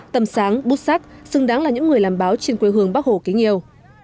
tầm sáng bút sắc xứng đáng là những người làm báo trên quê hương bắc hồ kính yêu